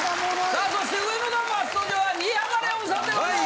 さあそして上の段も初登場は新浜レオンさんでございます！